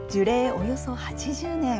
およそ８０年。